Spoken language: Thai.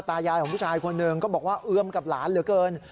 ตายายของผู้ชายคนหนึ่งก็บอกว่าเอือมกับหลานเหลือเกิน